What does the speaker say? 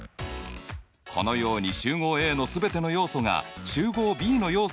このように集合Ａの全ての要素が集合Ｂの要素になっている時